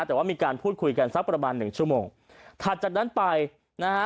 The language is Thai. แต่ว่ามีการพูดคุยกันสักประมาณหนึ่งชั่วโมงถัดจากนั้นไปนะฮะ